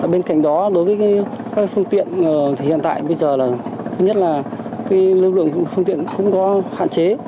bên cạnh đó đối với các phương tiện hiện tại bây giờ là thứ nhất là lưu lượng phương tiện cũng có hạn chế